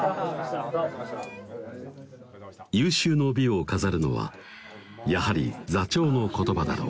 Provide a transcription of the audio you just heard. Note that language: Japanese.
有終の美を飾るのはやはり座長の言葉だろう